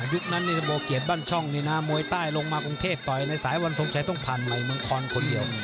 ยุคนั้นนี่โบเกียจบ้านช่องนี่นะมวยใต้ลงมากรุงเทพต่อยในสายวันทรงชัยต้องผ่านใหม่เมืองคอนคนเดียว